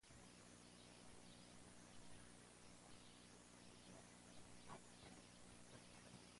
Adán siempre resaltó por su estilo único.